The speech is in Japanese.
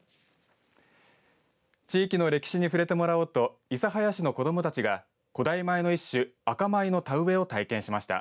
地域の歴史にふれてもらおうと諫早市の子どもたちが古代米の一種赤米の田植えを体験しました。